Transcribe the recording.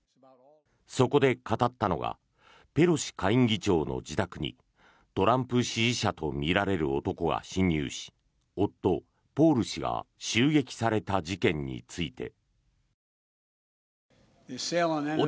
そこで語ったのがペロシ下院議長の自宅にトランプ支持者とみられる男が侵入し夫・ポール氏が襲撃された事件について。